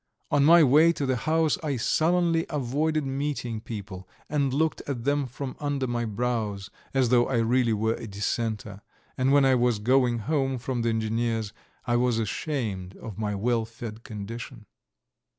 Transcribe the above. On my way to the house I sullenly avoided meeting people, and looked at them from under my brows as though I really were a dissenter, and when I was going home from the engineer's I was ashamed of my well fed condition.